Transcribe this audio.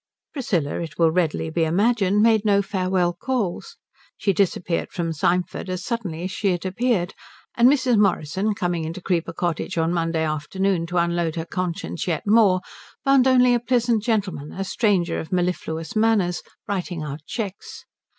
Priscilla, it will readily be imagined, made no farewell calls. She disappeared from Symford as suddenly as she had appeared; and Mrs. Morrison, coming into Creeper Cottage on Monday afternoon to unload her conscience yet more, found only a pleasant gentleman, a stranger of mellifluous manners, writing out cheques.